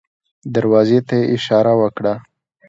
دروازې ته يې اشاره وکړه.